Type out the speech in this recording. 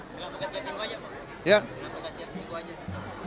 enggak bukan setiap minggu saja pak